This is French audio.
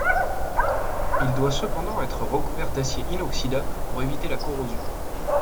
Il doit cependant être recouvert d'acier inoxydable pour éviter la corrosion.